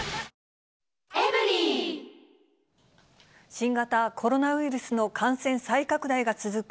新型コロナウイルスの感染再拡大が続く